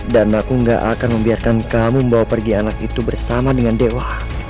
dan aku gak akan membiarkan kamu membawa pergi anak itu bersama dengan dewa